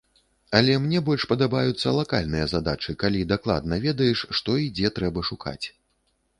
Але мне больш падабаюцца лакальныя задачы, калі дакладна ведаеш, што і дзе трэба шукаць.